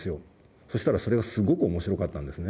そしたらそれがすごく面白かったんですね。